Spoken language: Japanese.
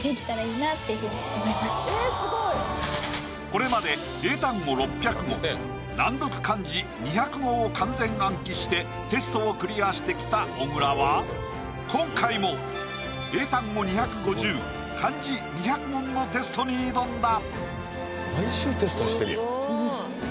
これまで英単語６００語難読漢字２００語を完全暗記してテストをクリアしてきた小倉は今回も英単語２５０漢字２００問のテストに挑んだ！